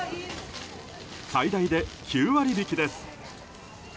最大で９割引きです。